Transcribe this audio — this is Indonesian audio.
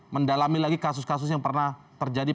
mendalami lagi kasus kasus yang pernah terjadi